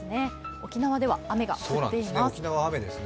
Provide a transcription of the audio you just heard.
沖縄では雨が降っています。